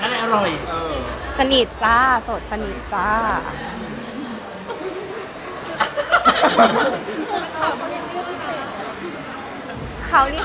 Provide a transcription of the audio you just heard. พี่แมนอยากสอนนี่คือสอนสนิทแมนคือสนิท